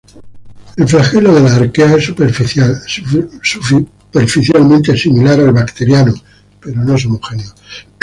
El flagelo de las arqueas es superficialmente similar al bacteriano pero no es homólogo.